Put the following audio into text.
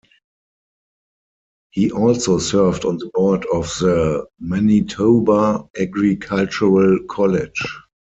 He also served on the board of the Manitoba Agricultural College.